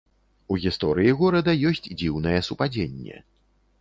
У гісторыі горада ёсць дзіўнае супадзенне.